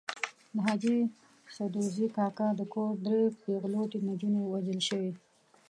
د حاجي سدوزي کاکا د کور درې پېغلوټې نجونې وژل شوې.